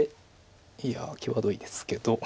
いや際どいですけど。